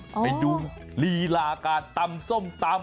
ไปดูลีลาการตำส้มตำ